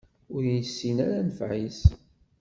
Ur yessin ara nnfeɛ-is.